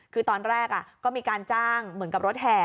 คือตอนแรกก็มีการจ้างเหมือนกับรถแห่